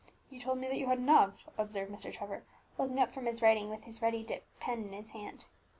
"You told me that you had enough," observed Mr. Trevor, looking up from his writing, with his ready dipped pen in his hand.